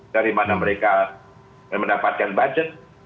dari mana mereka mendapatkan budget